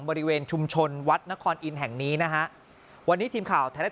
บริเวณชุมชนวัดนครอินทแห่งนี้นะฮะวันนี้ทีมข่าวไทยรัฐ